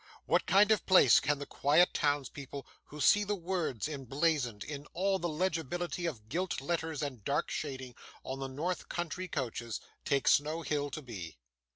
What kind of place can the quiet townspeople who see the words emblazoned, in all the legibility of gilt letters and dark shading, on the north country coaches, take Snow Hill to be?